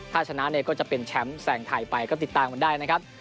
ถ้าชนะเนี่ยก็จะเป็นแชมป์แสงไทยไปก็ติดตามกันได้นะครับ